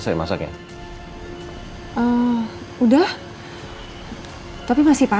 siapa yang capekkah ya